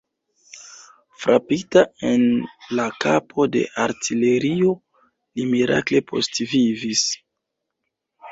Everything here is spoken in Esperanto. Frapita en la kapo de artilerio, li mirakle postvivis.